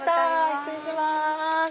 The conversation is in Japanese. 失礼します。